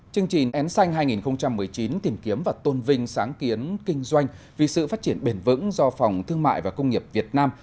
chương trình ensanh hai nghìn một mươi chín tìm kiếm và tôn vinh sáng kiến kinh doanh vì sự phát triển bền vững do phòng thương mại và công nghiệp việt nam